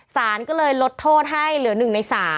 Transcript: สารก็เลยลดโทษให้เหลือ๑ใน๓